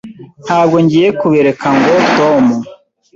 Ntabwo ngiye kubireka ngo Tom.